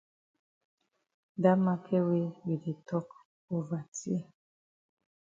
Dat maket wey you di tok ova dear.